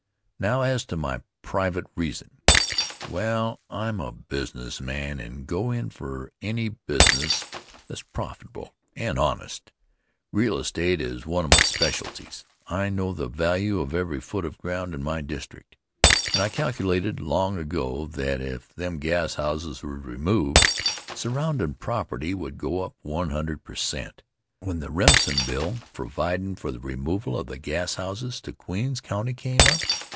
Now, as to my private reason. Well, I'm a business man and go in for any business that's profitable and honest. Real estate is one of my specialties. I know the value of every foot of ground in my district, and I calculated long ago that if them gashouses was removed, surroundin' property would go up 100 per cent. When the Remsen Bill, providin' for the removal of the gashouses to Queens County came up.